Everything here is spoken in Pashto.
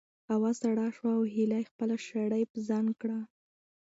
هوا سړه شوه او هیلې خپله شړۍ په ځان کړه.